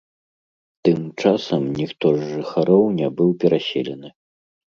Тым часам ніхто з жыхароў не быў пераселены.